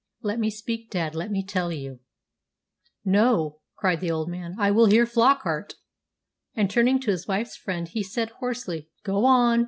"Let me speak, dad let me tell you " "No," cried the old man, "I will hear Flockart." And, turning to his wife's friend, he said hoarsely, "Go on.